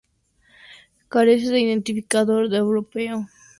Carece de identificador europeo en todo su recorrido.